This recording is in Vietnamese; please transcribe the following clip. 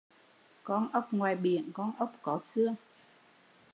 Con ốc ngoài biển, con ốc có xương